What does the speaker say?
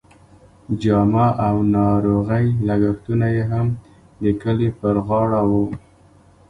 جامه او ناروغۍ لګښتونه یې هم د کلي پر غاړه وو.